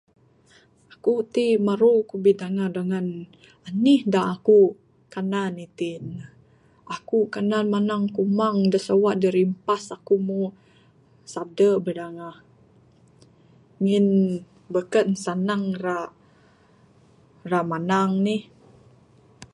Aku t meru aku bidengah dangan enih dak aku kanan iti ne. Aku kanan menang kumang dak sewa dak rimpas aku moh sede bidangah. Ngin beken senang ra ra menang nih.